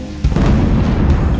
tidak ada apa apa